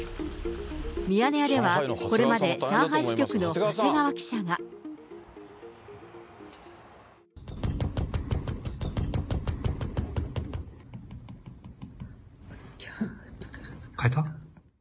ミヤネ屋では、これまで上海支局の長谷川記者が。買えた？